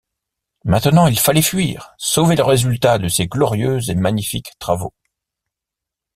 Maintenant, il fallait fuir, sauver le résultat de ces glorieux et magnifiques travaux.